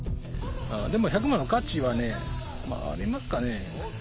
でも、１００万の価値はね、まあありますかね？